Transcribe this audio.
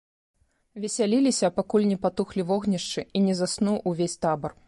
Весяліліся, пакуль не патухлі вогнішчы і не заснуў увесь табар.